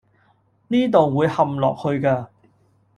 呢度會陷落去㗎